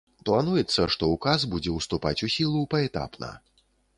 Плануецца, што ўказ будзе ўступаць у сілу паэтапна.